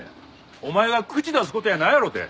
お前が口出す事やないやろて。